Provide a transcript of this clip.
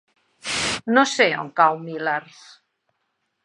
No sé on cau Millars.